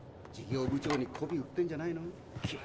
事業部長にこび売ってんじゃないの。